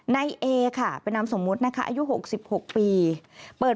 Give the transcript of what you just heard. นายเอค่ะเป็นนามสมมตินะคะอายุ๖๖ปี